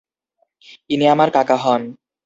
ইনি আমার কাকা হন।